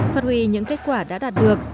phát huy những kết quả đã đạt được